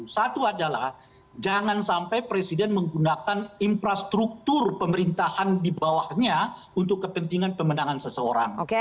satu adalah jangan sampai presiden menggunakan infrastruktur pemerintahan di bawahnya untuk kepentingan pemenangan seseorang